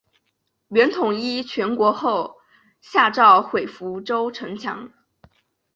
元统一全国后下诏毁福州城墙。